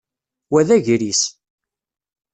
Wa d agris.